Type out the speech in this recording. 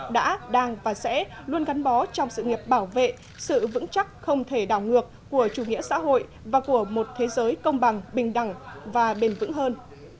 đã đang và sẽ luôn gắn bó trong sự nghiệp bảo vệ sự vững chắc không thể đảo ngược của chủ nghĩa xã hội và của một thế giới công bằng bình đẳng và bền vững hơn